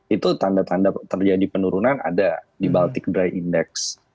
itu tanda tanda terjadi penurunan ada di baltic dry index